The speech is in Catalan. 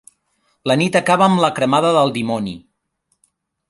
La Nit acaba amb la Cremada del Dimoni.